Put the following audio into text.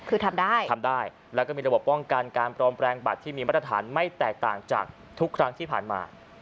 คือทำได้ทำได้แล้วก็มีระบบป้องกันการปลอมแปลงบัตรที่มีมาตรฐานไม่แตกต่างจากทุกครั้งที่ผ่านมา